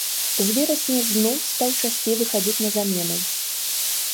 З верасня зноў стаў часцей выхадзіць на замену.